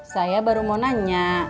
saya baru mau nanya